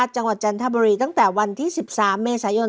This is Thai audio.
จันทบุรีตั้งแต่วันที่๑๓เมษายน